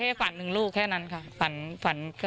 เก๊ฟันหนึ่งลูกแค่นั้นค่ะ